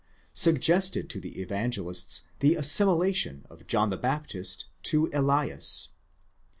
suggested to the Evangelists the assimilation of John the Baptist to Elias.